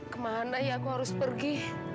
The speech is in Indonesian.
kemana ya aku harus pergi